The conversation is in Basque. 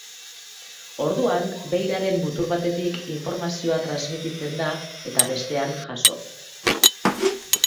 Orduan, beiraren mutur batetik informazioa transmititzen da eta bestean jaso.